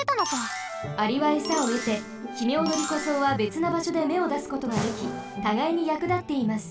アリはエサをえてヒメオドリコソウはべつなばしょでめをだすことができたがいにやくだっています。